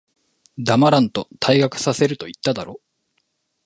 黙らんと、退学させると言っただろ。